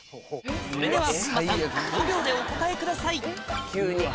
それでは風磨さん５秒でお答えくださいうわ。